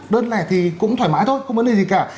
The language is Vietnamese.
đơn lẻ thì cũng thoải mái thôi không có lẽ gì cả